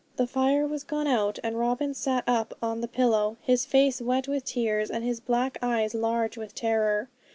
The fire was gone out, and Robin sat up on the pillow, his face wet with tears and his black eyes large with terror.